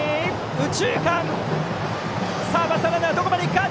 右中間！